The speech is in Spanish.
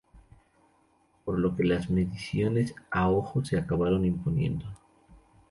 Por lo que las mediciones a ojo se acabaron imponiendo.